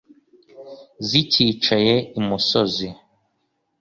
Zikicaye imusozi